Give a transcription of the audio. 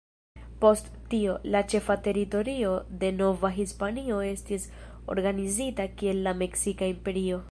Post tio, la ĉefa teritorio de Nova Hispanio estis organizita kiel la Meksika Imperio.